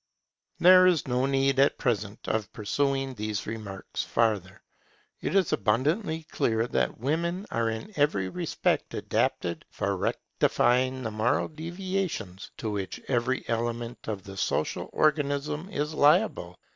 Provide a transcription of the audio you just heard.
There is no need at present of pursuing these remarks farther. It is abundantly clear that women are in every respect adapted for rectifying the moral deviations to which every element in the social organism is liable.